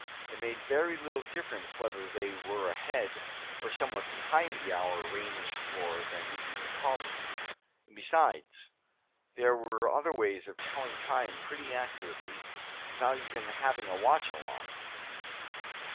It made very little difference whether they were ahead, or somewhat behind the hour arranged for their meeting with Polly. And besides, there were other ways of telling time pretty accurately, without even having a watch along.